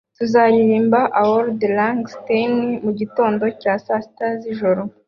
Tuzaririmba "Auld Lang Syne" mugitondo cya saa sita z'ijoro.